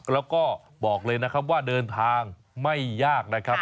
แล้วก็บอกเลยนะครับว่าเดินทางไม่ยากนะครับ